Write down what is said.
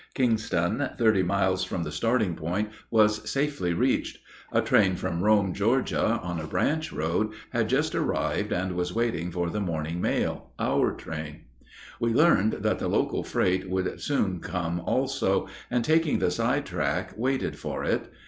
Kingston, thirty miles from the starting point, was safely reached. A train from Rome, Georgia, on a branch road, had just arrived and was waiting for the morning mail our train. We learned that the local freight would soon come also, and, taking the side track, waited for it.